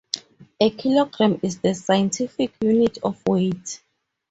A kilogram is the scientific unit of weight.